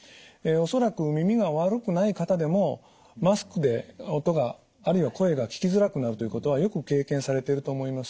恐らく耳が悪くない方でもマスクで音があるいは声が聞きづらくなるということはよく経験されてると思います。